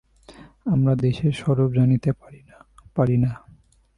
আমরা দেশের স্বরূপ জানিতে পারি না।